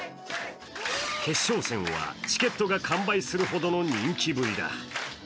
決勝戦は、チケットが完売するほどの人気ぶりだ。